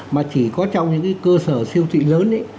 mà chỉ có trong những cái cơ sở siêu thị lớn ấy